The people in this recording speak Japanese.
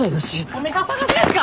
・お店お探しですか？